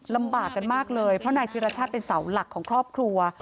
ลำบากกันมากเลยเพราะนายธิรชาติเป็นเสาหลักของครอบครัว